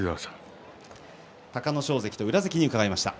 隆の勝関と宇良関に伺いました。